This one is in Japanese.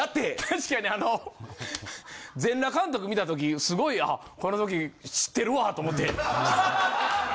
確かにあの『全裸監督』観た時すごい「この時知ってるわ」と思って。